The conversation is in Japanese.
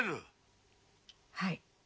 はい。